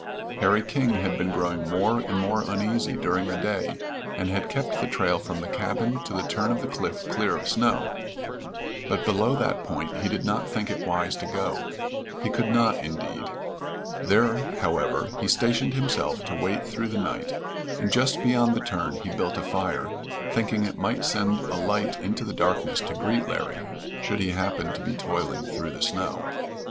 Harry King had been growing more and more uneasy during the day, and had kept the trail from the cabin to the turn of the cliff clear of snow, but below that point he did not think it wise to go: he could not, indeed. There, however, he stationed himself to wait through the night, and just beyond the turn he built a fire, thinking it might send a light into the darkness to greet Larry, should he happen to be toiling through the snow.